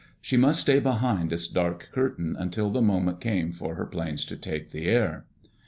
She must stay behind its dark curtain until the moment came for her planes to take the air.